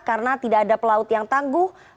karena tidak ada pelaut yang tangguh